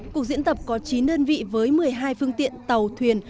cuộc diễn tập có chín đơn vị với một mươi hai phương tiện tàu thuyền